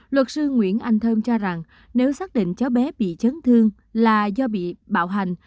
luật sư nguyễn anh thơm cho rằng nếu xác định cháu bé bị chấn thương là do bị bạo hành